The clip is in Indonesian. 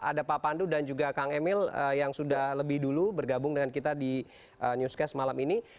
ada pak pandu dan juga kang emil yang sudah lebih dulu bergabung dengan kita di newscast malam ini